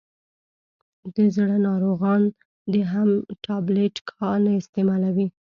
دزړه ناروغان دي هم ټابلیټ کا نه استعمالوي.